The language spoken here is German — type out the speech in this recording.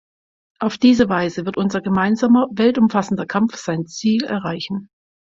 Auf diese Weise wird unser gemeinsamer, weltumfassender Kampf sein Ziel erreichen.